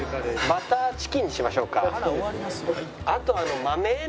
バターチキンにしましょうか。